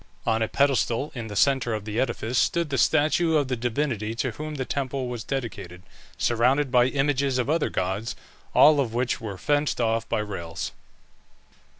On a pedestal in the centre of the edifice stood the statue of the divinity to whom the temple was dedicated, surrounded by images of other gods, all of which were fenced off by rails.